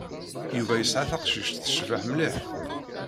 Yuba yesɛa taqcict tecbeḥ mliḥ.